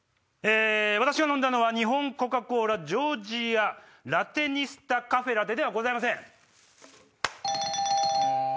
私が飲んだのは日本コカコーラジョージアラテニスタカフェラテではございません。